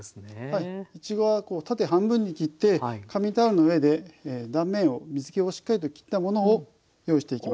いちごは縦半分に切って紙タオルの上で断面を水けをしっかりときったものを用意していきます。